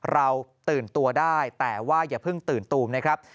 เราตื่นตัวได้แต่ว่าอย่าเพิ่งตื่นตูมนะครับ